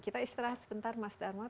kita istirahat sebentar mas darmon